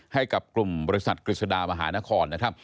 ให้กับกลุ่มบริษัทกฤษฎามหานครนะครับ